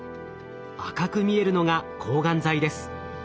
赤く見えるのが抗がん剤です。